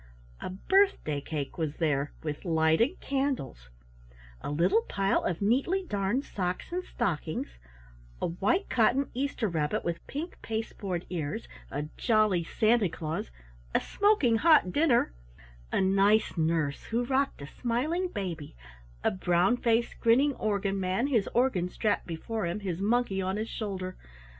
A Birthday Cake was there, with lighted candles; a little pile of neatly darned socks and stockings, a white cotton Easter Rabbit with pink pasteboard ears, a Jolly Santa Claus, a smoking hot Dinner, a Nice Nurse who rocked a smiling baby, a brown faced grinning Organ Man, his organ strapped before him, his Monkey on his shoulder.